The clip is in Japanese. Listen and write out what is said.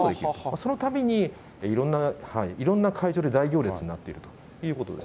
そのたびに、いろんな会場で大行列になっているということです。